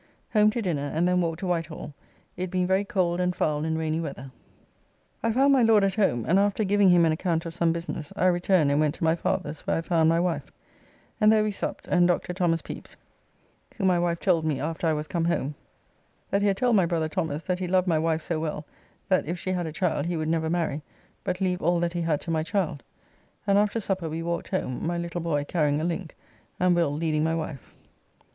Home to dinner, and then walked to Whitehall, it being very cold and foul and rainy weather. I found my Lord at home, and after giving him an account of some business, I returned and went to my father's where I found my wife, and there we supped, and Dr. Thomas Pepys, who my wife told me after I was come home, that he had told my brother Thomas that he loved my wife so well that if she had a child he would never marry, but leave all that he had to my child, and after supper we walked home, my little boy carrying a link, and Will leading my wife.